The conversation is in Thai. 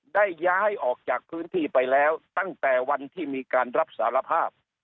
ได้ย้ายออกจากพื้นที่ไปแล้วตั้งแต่วันที่มีการรับสารภาพ